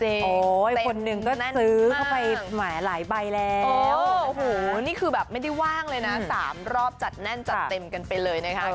คนหนึ่งก็ซื้อเข้าไปแหมหลายใบแล้วโอ้โหนี่คือแบบไม่ได้ว่างเลยนะ๓รอบจัดแน่นจัดเต็มกันไปเลยนะคะ